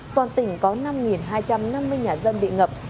toàn tỉnh có năm hai trăm năm mươi nhà dân bị ngập